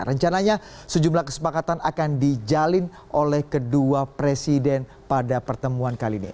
rencananya sejumlah kesepakatan akan dijalin oleh kedua presiden pada pertemuan kali ini